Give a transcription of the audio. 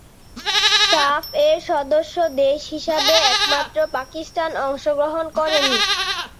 সাফ এর সদস্য দেশ হিসাবে একমাত্র পাকিস্তান অংশগ্রহণ করেনি।